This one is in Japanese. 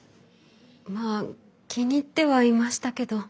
まあ気に入ってはいましたけど。